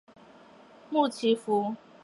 穆奇福。